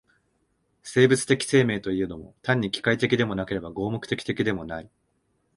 生物的生命といえども、単に機械的でもなければ合目的的でもない。